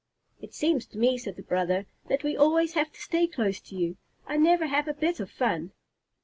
"It seems to me," said the brother, "that we always have to stay close to you. I never have a bit of fun!"